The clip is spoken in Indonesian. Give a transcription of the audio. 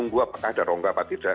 dua apakah ada rongga atau tidak